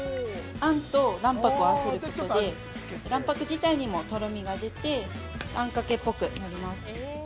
あんと卵白を合わせることで卵白自体にもとろみが出て、あんかけっぽくなります。